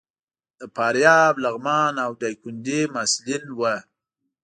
د فاریاب، لغمان او ډایکنډي محصلین وو.